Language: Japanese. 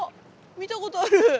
見たことある。